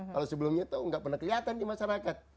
kalau sebelum itu tidak pernah kelihatan di masyarakat